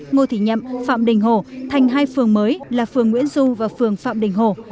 ngô thị nhậm phạm đình hồ thành hai phường mới là phường nguyễn du và phường phạm đình hồ